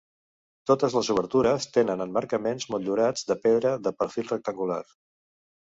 Totes les obertures tenen emmarcaments motllurats de pedra de perfil rectangular.